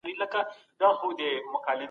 خوله كي اوبه راوړه په خوله كي مي اوبه راتوی كړه